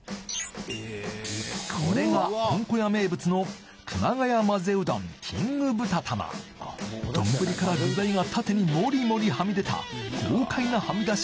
これがこんこ屋名物の熊谷まぜうどんキング豚玉丼から具材が縦にモリモリはみ出た豪快なはみだし